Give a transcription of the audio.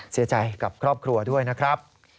เสียใจกับครอบครัวด้วยนะครับ